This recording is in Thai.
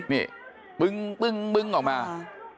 นี่ปึ้งปึ้งปึ้งออกมา